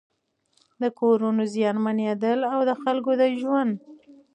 د کورونو زيانمنېدل او د خلکو د ژوند